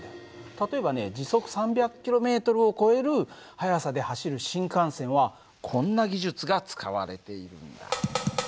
例えばね時速３００ｋｍを超える速さで走る新幹線はこんな技術が使われているんだ。